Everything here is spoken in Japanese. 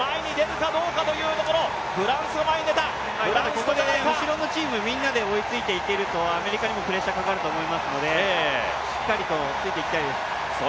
ここで後ろのチームみんなで追いついていけるとアメリカにもプレッシャーかかると思いますので、しっかりとついていきたいです。